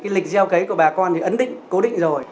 lịch gieo cấy của bà con thì ấn định cố định rồi